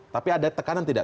tapi ada tekanan tidak